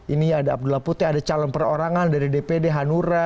ini ada abdullah putih ada calon perorangan dari dpd hanura